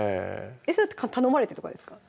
それって頼まれてとかですか？